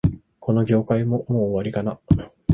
この業界も、もう終わりかな